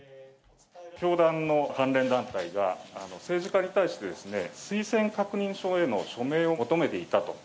教団の関連団体が、政治家に対してですね、推薦確認書への署名を求めていたと。